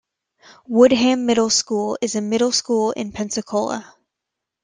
Woodham Middle School is a middle school in Pensacola.